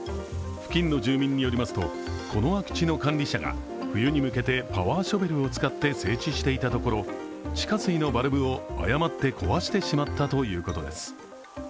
付近の住民によりますと、この空き地の管理者が冬に向けてパワーショベルを使って整地していたところ地下水のバルブを誤って壊してしまったということです。